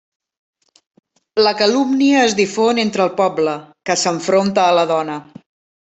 La calúmnia es difon entre el poble, que s'enfronta a la dona.